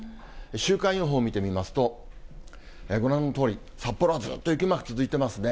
週間予報を見てみますと、ご覧のとおり、札幌はずっと雪マーク続いてますね。